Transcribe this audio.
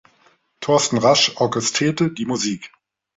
Torsten Rasch orchestrierte die Musik.